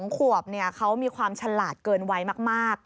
๒ขวบเนี่ยเขามีความฉลาดเกินไว้มาก